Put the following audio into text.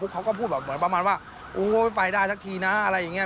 เขาก็พูดแบบเหมือนประมาณว่าโอ้ยไปได้สักทีนะอะไรอย่างนี้